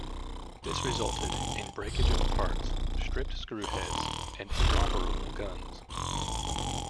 This resulted in breakage of parts, stripped screw heads and inoperable guns.